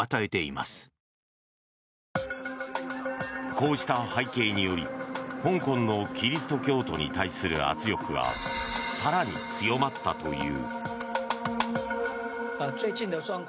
こうした背景により香港のキリスト教徒に対する圧力が更に強まったという。